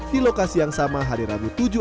di lokasi yang sama hari rabu tujuh